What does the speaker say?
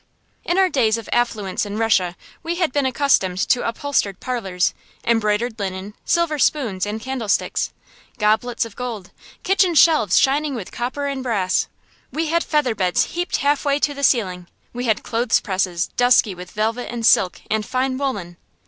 In our days of affluence in Russia we had been accustomed to upholstered parlors, embroidered linen, silver spoons and candlesticks, goblets of gold, kitchen shelves shining with copper and brass. We had featherbeds heaped halfway to the ceiling; we had clothes presses dusky with velvet and silk and fine woollen.